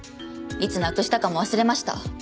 いつなくしたかも忘れました。